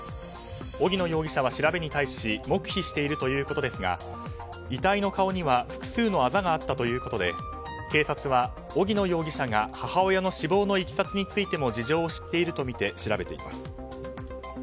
萩野容疑者は調べに対し黙秘しているということですが遺体の顔には複数のあざがあったということで警察は萩野容疑者が母親の死亡のいきさつについても事情を知っているとみて調べています。